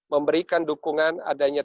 memberikan dukungan adanya